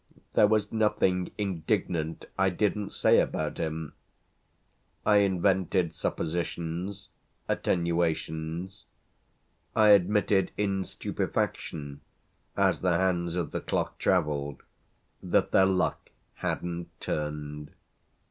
There was nothing indignant I didn't say about him; I invented suppositions, attenuations; I admitted in stupefaction, as the hands of the clock travelled, that their luck hadn't turned.